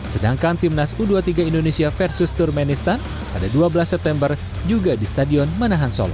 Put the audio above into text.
sedangkan timnas u dua puluh tiga indonesia versus turmenistan pada dua belas september juga di stadion manahan solo